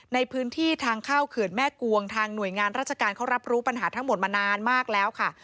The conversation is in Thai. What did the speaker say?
ในพื้นที่ทางเข้าเขื่อนแม่กวงทางหน่วยงานราชการเขารับรู้ปัญหาทั้งหมดมานานมากแล้วค่ะ